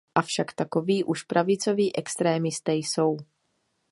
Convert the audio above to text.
Avšak takoví už pravicoví extrémisté jsou.